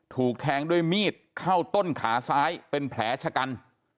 ถูกแทงด้วยมีดเข้าต้นขาซ้ายเป็นแผลชะกัน